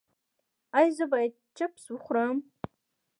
ایا زه باید چپس وخورم؟